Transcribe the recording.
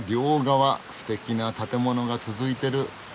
すてきな建物が続いてる。